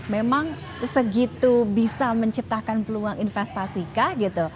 memang segitu bisa menciptakan peluang investasi kak